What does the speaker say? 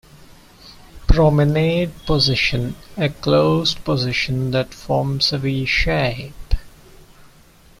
Promenade Position: A closed position that forms a V-shape.